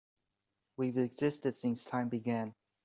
We've existed since time began.